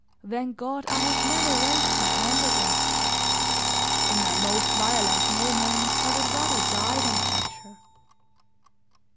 Thank God, I have never raised my hand against her; in my most violent moments I would rather die than touch her.